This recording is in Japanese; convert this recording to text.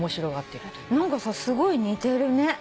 何かさすごい似てるね。